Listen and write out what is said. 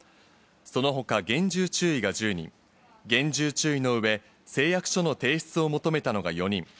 その他、厳重注意が１０人、厳重注意の上、誓約書の提出を求めたのが４人。